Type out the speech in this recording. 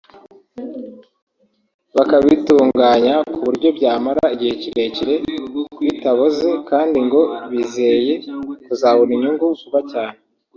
bakabitunganya ku buryo byamara igihe kirekire bitaboze kandi ngo bizeye kuzabona inyungu vuba cyane